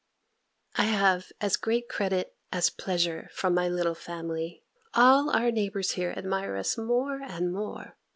I have as great credit as pleasure from my little family. All our neighbours here admire us more and more.